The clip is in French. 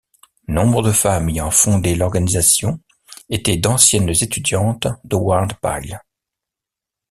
Nombre de femmes ayant fondé l'organisation étaient d'anciennes étudiantes d'Howard Pyle.